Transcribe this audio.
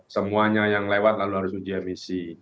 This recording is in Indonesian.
semuanya yang lewat lalu harus uji emisi